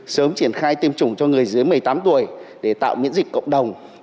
sớm triển khai tiêm chủng cho người dưới một mươi tám tuổi để tạo miễn dịch cộng đồng